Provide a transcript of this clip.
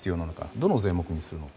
どの税目にするのか。